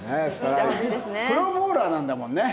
プロボウラーなんだもんね。